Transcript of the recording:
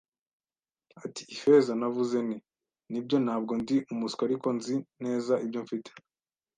ati Ifeza. Navuze nti: “Nibyo, ntabwo ndi umuswa ariko nzi neza ibyo mfite